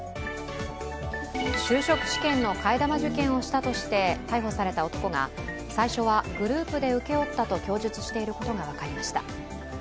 就職試験の替え玉受検をしたとして逮捕された男が最初はグループで請け負ったと供述していることが分かりました。